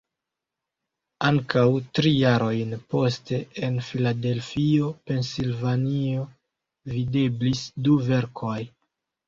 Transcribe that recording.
Ankaŭ tri jarojn poste en Filadelfio (Pensilvanio) videblis du verkoj.